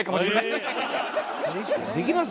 できます？